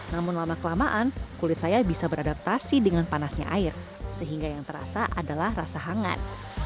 namun lama kelamaan kulit saya bisa beradaptasi dengan panasnya air sehingga yang terasa adalah rasa hangat